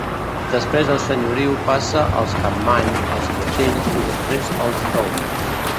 Després el senyoriu passa als Campmany, als Creixell i després als d'Oms.